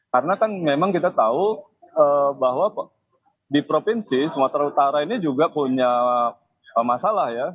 karena kan memang kita tahu bahwa di provinsi sumatera utara ini juga punya masalah ya